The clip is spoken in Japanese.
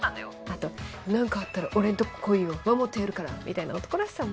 あと何かあったら俺んとこ来いよ守ってやるからみたいな男らしさ